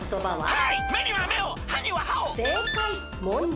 はい！